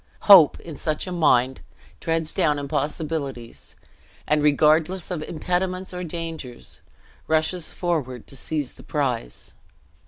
Hope, in such a mind, treads down impossibilities; and, regardless of impediments or dangers, rushes forward to seize the prize.